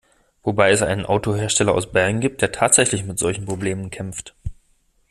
Wobei es einen Autohersteller aus Bayern gibt, der tatsächlich mit solchen Problemen kämpft.